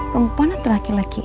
perempuan atau laki laki